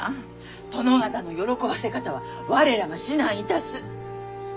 殿方の喜ばせ方は我らが指南いたす！